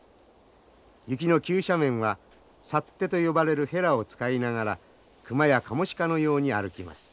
雪の急斜面はサッテと呼ばれるヘラを使いながら熊やカモシカのように歩きます。